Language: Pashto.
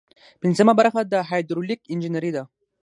پنځمه برخه د هایدرولیک انجنیری ده.